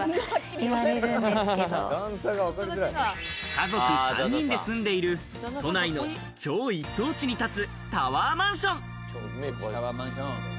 家族３人で住んでいる、都内の超一等地に立つタワーマンション。